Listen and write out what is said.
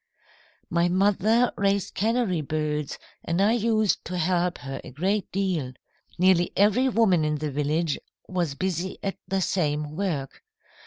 "My mother raised canary birds, and I used to help her a great deal. Nearly every woman in the village was busy at the same work.